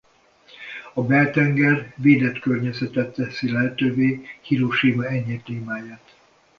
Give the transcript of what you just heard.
A beltenger védett környezete teszi lehetővé Hirosima enyhe klímáját.